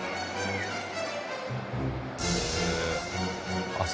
へえ。